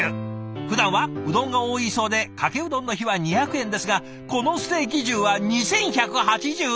ふだんはうどんが多いそうでかけうどんの日は２００円ですがこのステーキ重は２，１８０円！